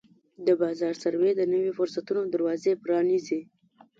د بازار سروې د نویو فرصتونو دروازې پرانیزي.